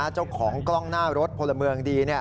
เจ้าของกล้องหน้ารถพลเมืองดี